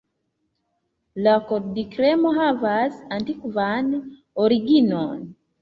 La koldkremo havas antikvan originon.